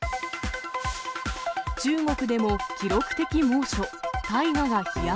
中国でも記録的猛暑。